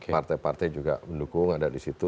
partai partai juga mendukung ada di situ